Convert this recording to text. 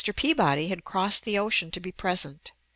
Peabody had crossed the ocean to be present.